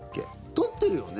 取ってるよね？